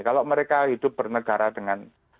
kalau mereka hidup bernegara dengan